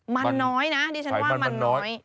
มันน้อยนะดิฉันว่ามันน้อย